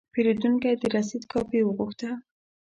پیرودونکی د رسید کاپي وغوښته.